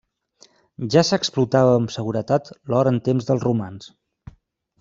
Ja s'explotava amb seguretat l'or en temps dels romans.